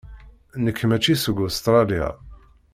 Nekk mačči seg Ustṛalya.